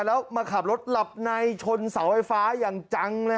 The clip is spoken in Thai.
แล้วมาขับรถหลับในชนเสาไฟฟ้าอย่างจังเลย